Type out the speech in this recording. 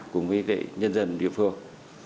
cũng với cái nhân dân địa phương